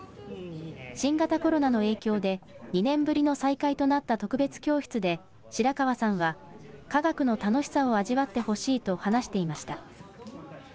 新型コロナの影響で２年ぶりの再開となった特別教室で、白川さんは、科学の楽しさを味わってほしいと話していました。